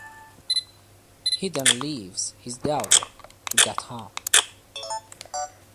He then leaves his daughter to Gautham.